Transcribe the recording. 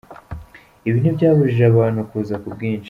Ibi ntibyabujije abantu kuza ku bwinshi.